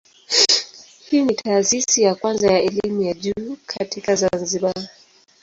Hii ni taasisi ya kwanza ya elimu ya juu katika Zanzibar.